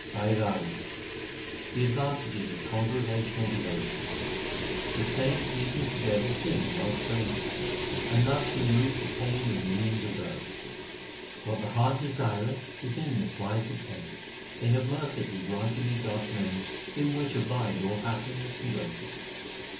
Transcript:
BAIRARI The advantage of congregational devotion : The saints meeting together sing God s praises, And thus remove the pain of millions of births. What the heart desireth is in this wise obtained. They have mercifully granted me God s name In which abide all happiness and greatness.